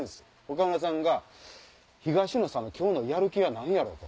岡村さんが「東野さんの今日のやる気は何やろう？」と。